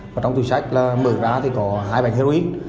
và trong tủ sách là mở ra thì có hai bánh heroin